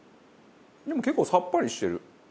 でも結構さっぱりしてる。